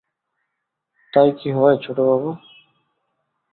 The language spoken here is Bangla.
তাই কি হয় ছোটবাবু?